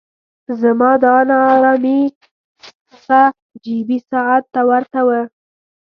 زما دا نا ارامي هغه جیبي ساعت ته ورته وه.